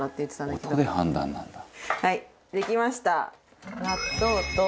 はいできました。